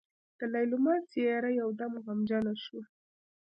د ليلما څېره يودم غمجنه شوه.